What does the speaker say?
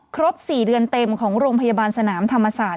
ครบ๔เดือนเต็มของโรงพยาบาลสนามธรรมศาสตร์